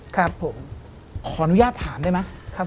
ขออนุญาตถามได้ไหม